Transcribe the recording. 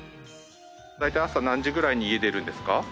大体朝何時ぐらいに家出るんですか？